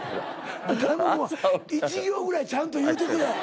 頼むわ１行ぐらいちゃんと言うてくれ。